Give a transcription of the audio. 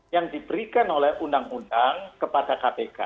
yang diberikan oleh undang undang kepada kpk